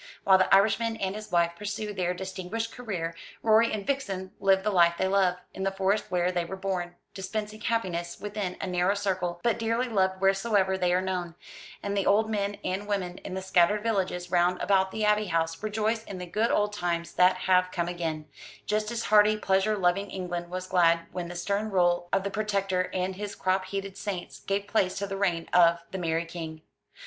While the Irishman and his wife pursue their distinguished career, Rorie and Vixen live the life they love, in the Forest where they were born, dispensing happiness within a narrow circle, but dearly loved wheresoever they are known; and the old men and women in the scattered villages round about the Abbey House rejoice in the good old times that have come again; just as hearty pleasure loving England was glad when the stern rule of the Protector and his crop headed saints gave place to the reign of the Merry King.